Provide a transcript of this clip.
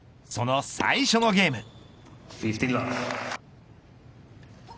その最初のゲーム。